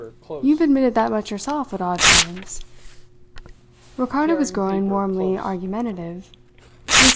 You've admitted that much yourself at odd times." Ricardo was growing warmly argumentative. Mr.